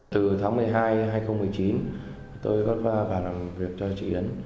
từ tháng một mươi hai hai nghìn một mươi chín tôi có vào làm việc cho chị yến